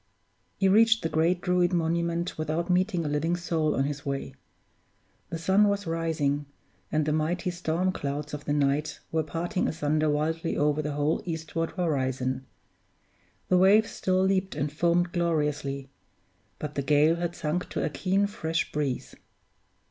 He reached the great Druid monument without meeting a living soul on his way. The sun was rising, and the mighty storm clouds of the night were parting asunder wildly over the whole eastward horizon. The waves still leaped and foamed gloriously: but the gale had sunk to a keen, fresh breeze.